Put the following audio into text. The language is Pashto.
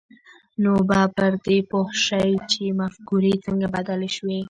نو به پر دې پوه شئ چې مفکورې څنګه بدلې شوې